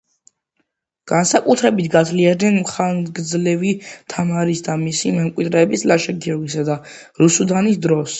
განსაკუთრებით გაძლიერდნენ მხარგრძელები თამარის და მისი მემკვიდრეების ლაშა გიორგისა და რუსუდანის დროს.